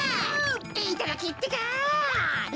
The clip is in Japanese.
いただきってか。